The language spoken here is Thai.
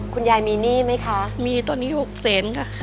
คุณยายมีหนี้ไหมคะมีตอนนี้๖แสนค่ะ